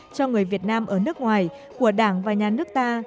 cho người việt nam ở nước ngoài của đảng và nhà nước ta